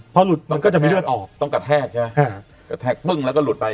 เพราะลุดมันก็จะมีเลือดออกต้องกระแทกแล้วก็ลุดไป